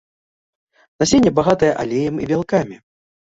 Насенне багатае алеем і бялкамі.